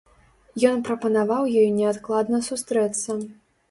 Ён прапанаваў ёй неадкладна сустрэцца.